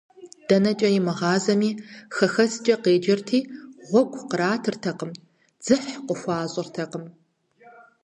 ДэнэкӀэ имыгъазэми, «хэхэскӀэ» къеджэрти, гъуэгу къратыртэкъым, дзыхь къыхуащӀыртэкъым.